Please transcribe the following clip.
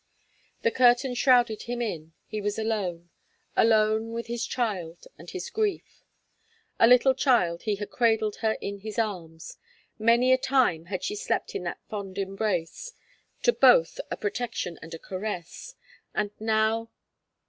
The curtain shrouded him in; he was alone alone with his child and his grief. A little child he had cradled her in his arms; many a time had she slept in that fond embrace, to her both a protection and a caress. And now!